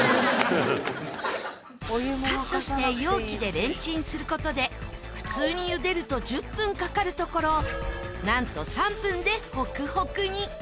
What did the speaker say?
カットして容器でレンチンする事で普通に茹でると１０分かかるところなんと３分でホクホクに。